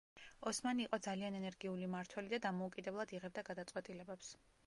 ოსმანი იყო ძალიან ენერგიული მმართველი და დამოუკიდებლად იღებდა გადაწყვეტილებებს.